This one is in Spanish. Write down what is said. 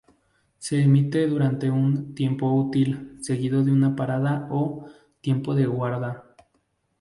Se emite durante un "tiempo útil" seguido de una parada o "tiempo de guarda".